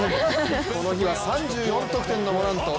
この日は３４得点のモラント。